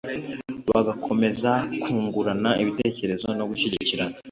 bagakomeza kwungurana ibitekerezo no gushyikirana